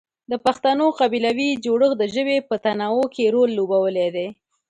د پښتنو قبیلوي جوړښت د ژبې په تنوع کې رول لوبولی دی.